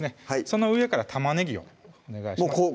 その上から玉ねぎをお願いします